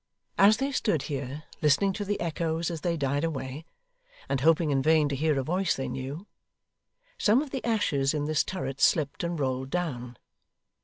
As they stood here, listening to the echoes as they died away, and hoping in vain to hear a voice they knew, some of the ashes in this turret slipped and rolled down.